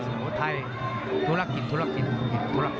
ส่วนไทยธุรกิจธุรกิจธุรกิจธุรกิจ